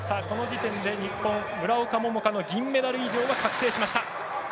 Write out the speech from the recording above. この時点で日本の村岡桃佳の銀メダル以上は確定しました。